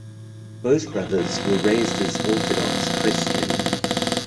Both brothers were raised as Orthodox Christians.